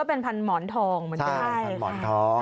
เลยตำเลย